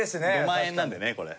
５万円なんでねこれ。